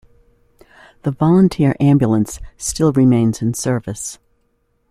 The volunteer ambulance still remains in service.